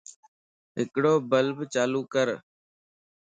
ھڪڙو بلب چالو ڪر